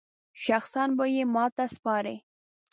شخصاً به یې ماته سپاري.